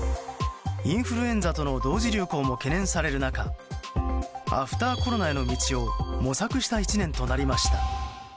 インフルエンザとの同時流行も懸念される中アフターコロナへの道を模索した１年となりました。